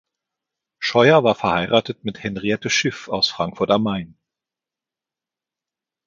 Scheuer war verheiratet mit Henriette Schiff aus Frankfurt am Main.